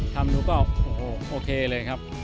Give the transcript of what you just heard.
ทำดูก็โอเคเลยครับ